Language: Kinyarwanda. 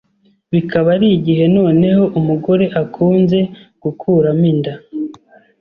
bukaba ari igihe noneho umugore akunze gukuramo inda